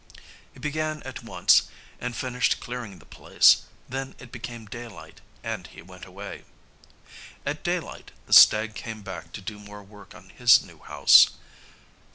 He began at once and finished clearing the place. Then it became daylight and he went away. At daylight the stag came back to do more work on his new house.